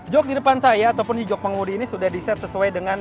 jok di depan saya ataupun di jok pengemudi ini sudah diset sesuai dengan